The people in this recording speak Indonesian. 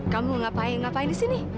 kamu ngapain ngapain disini